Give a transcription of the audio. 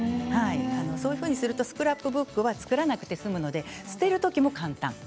そういうふうにするとスクラップブックは作らなくて済むので捨てる時も簡単。